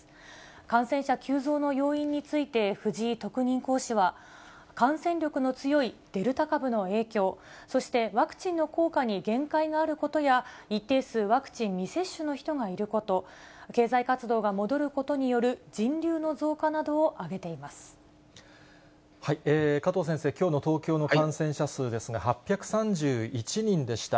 感染者急増の要因について、藤井特任講師は、感染力の強いデルタ株の影響、そしてワクチンの効果に限界があることや、一定数、ワクチン未接種の人がいること、経済活動が戻ることによる、加藤先生、きょうの東京の感染者数ですが、８３１人でした。